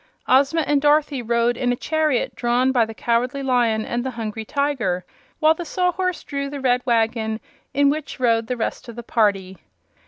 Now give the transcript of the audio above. Ozma and Dorothy rode in a chariot drawn by the Cowardly Lion and the Hungry Tiger, while the Sawhorse drew the red wagon in which rode the rest of the party.